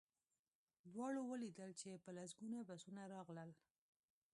دواړو ولیدل چې په لسګونه بسونه راغلل